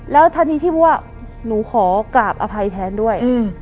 แล้วทันทีที่ว่าหนูขอกราบอภัยแทนด้วย